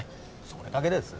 それだけです。